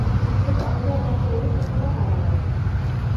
سګرټ او نور نشه يي توکي مه کاروئ.